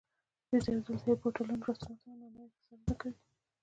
دوی د حفظ الصحې په هوټلونو، رسټورانتونو او نانوایانو کې څارنه کوي.